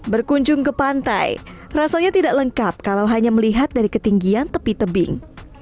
berkunjung ke pantai rasanya tidak lengkap kalau hanya melihat dari ketinggian tepi tebing